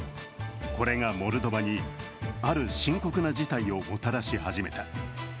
これがモルドバにある深刻な事態をもたらし始めた。